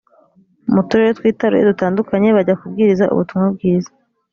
mu turere twitaruye dutandukanye bajya kubwiriza ubutumwa bwiza